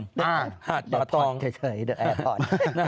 ภาดประตองเฉยดัดแอร์พอร์ต